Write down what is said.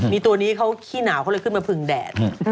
มีตัวนี้เขาขี้หนาวเขาเลยขึ้นมาพึงแดด